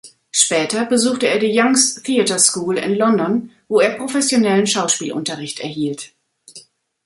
Später besuchte er die „Young’s Theater School“ in London, wo er professionellen Schauspielunterricht erhielt.